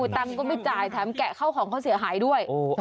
ตังค์ก็ไม่จ่ายแถมแกะเข้าของเขาเสียหายด้วย